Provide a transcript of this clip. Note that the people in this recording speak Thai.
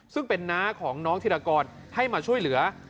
ซึ่งเป็นน้าของน้องธิรกรให้มาช่วยเหลือ